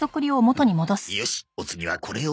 よしお次はこれを。